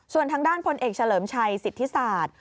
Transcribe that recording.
ส่วนทางด้านพลเอกเฉลิมชัยสิทธิศาสตร์